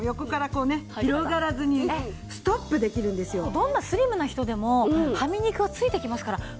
どんなスリムな人でもはみ肉はついてきますから。